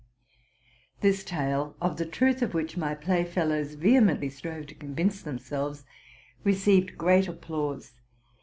This tale, of the truth of which my playfellows vehe mently strove to convince themselves, received great ap plause.